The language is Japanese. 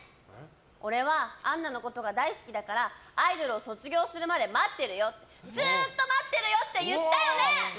俺は、杏奈のことが大好きだからアイドルを卒業するまで待ってるよずっと待ってるよって言ったよね！？